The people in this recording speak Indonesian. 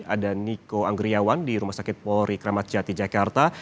ada niko anggriawan di rumah sakit polri kramat jati jakarta